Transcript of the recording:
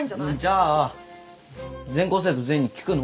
じゃあ全校生徒全員に聞くの？